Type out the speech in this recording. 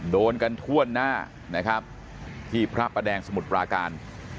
โดนกันทั่วหน้านะครับที่พระประแดงสมุทรปราการ